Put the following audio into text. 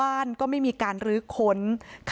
อาบน้ำเป็นจิตเที่ยว